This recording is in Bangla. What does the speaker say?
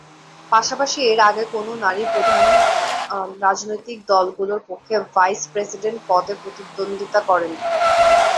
পাশাপাশি এর আগে কোন নারী প্রধান রাজনৈতিক দলগুলোর পক্ষে ভাইস-প্রেসিডেন্ট পদে প্রতিদ্বন্দ্বিতা করেনি।